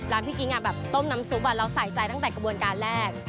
พี่กิ๊กแบบต้มน้ำซุปเราใส่ใจตั้งแต่กระบวนการแรก